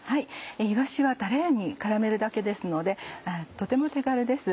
いわしはたれに絡めるだけですのでとても手軽です。